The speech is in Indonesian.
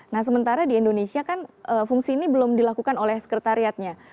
nah sementara di indonesia kan fungsi ini belum dilakukan oleh sekretariatnya